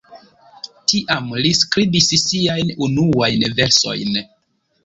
Tiam li skribis siajn unuajn versojn.